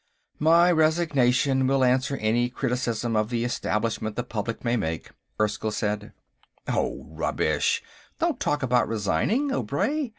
"My resignation will answer any criticism of the Establishment the public may make," Erskyll began. "Oh, rubbish; don't talk about resigning, Obray.